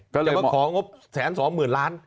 จะมาของบ่แสนสองหมื่นล้าน